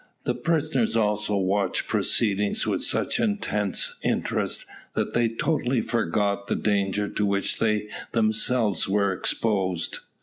The prisoners also watched proceedings with such intense interest, that they totally forgot the danger to which they themselves were exposed.